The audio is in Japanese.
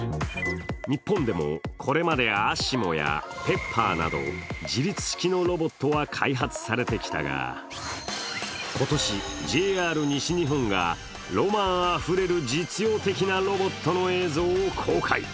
日本でも、これまでＡＳＩＭＯやＰｅｐｐｅｒなど、自律式のロボットは開発されてきたが、今年、ＪＲ西日本がロマンあふれる実用的なロボットの映像を公開。